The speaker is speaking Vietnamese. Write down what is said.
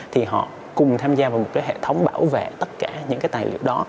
thì họ cùng tham gia vào một cái hệ thống bảo vệ tất cả những cái tài liệu đó